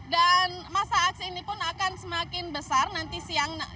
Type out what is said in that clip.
dan masa aksi ini pun akan semakin besar nanti siang